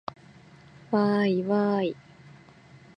わーいわーい